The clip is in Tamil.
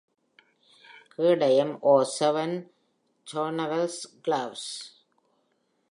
கேடயம்: "Or, seven chevronels gules".